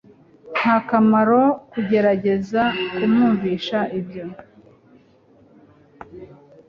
Nta kamaro kugerageza kumwumvisha ibyo